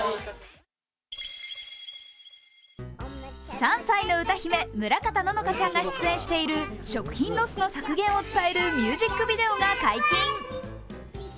３歳の歌姫・村方乃々佳ちゃんが出演している食品ロスの削減を伝えるミュージックビデオが解禁。